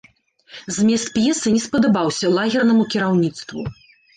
Змест п'есы не спадабаўся лагернаму кіраўніцтву.